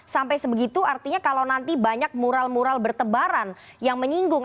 sampai sebegitu artinya kalau nanti banyak mural mural bertebaran yang menyinggung